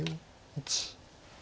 １。